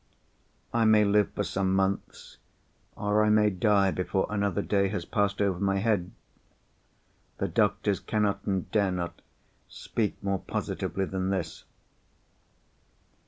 I may live for some months, or I may die before another day has passed over my head—the doctors cannot, and dare not, speak more positively than this.